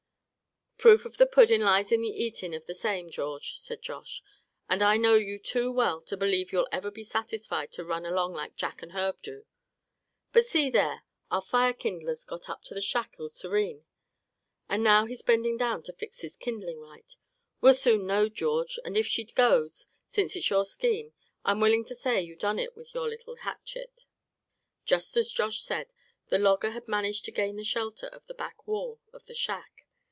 "Proof of the puddin' lies in the eatin' of the same, George," said Josh, "and I know you too well to believe you'll ever be satisfied to run along like Jack and Herb do. But see there, our fire kindler's got up to the shack, all serene. And now he's bending down to fix his kindlin' right. We'll soon know, George, and if she goes, since it's your scheme, I'm willing to say you done it with your little hatch it." Just as Josh said, the logger had managed to gain the shelter of the back wall of the shack.